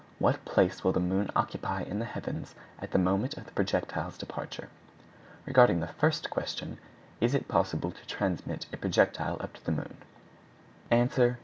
What place will the moon occupy in the heavens at the moment of the projectile's departure?" Regarding the first question, "Is it possible to transmit a projectile up to the moon?" _Answer.